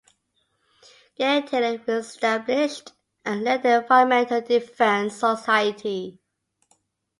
Gary Taylor re-established and led the Environmental Defence Society.